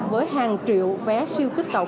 với hàng triệu vé siêu kích cầu